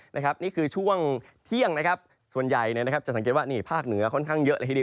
นี่คือช่วงเที่ยงส่วนใหญ่จะสังเกตว่าภาคเหนือค่อนข้างเยอะเลยทีเดียว